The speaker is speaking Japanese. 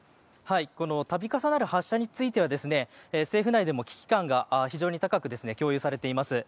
度重なる発射については政府内でも危機感が非常に高く共有されています。